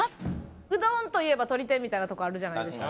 うどんといえば鶏天みたいなとこあるじゃないですか。